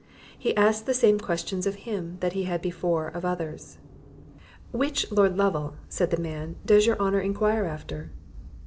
He asked the same questions of him, that he had before of others. "Which Lord Lovel," said the man, "does your honour enquire after?"